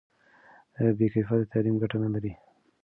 بې کیفیته تعلیم ګټه نه لري.